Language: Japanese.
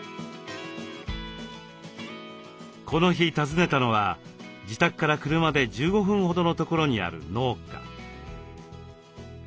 この日訪ねたのは自宅から車で１５分ほどのところにある農家。